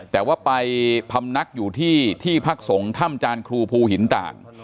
แต่ว่าไปพำนักอยู่ที่ที่พักสงฆ์ถ้ำจานครูภูหินต่าง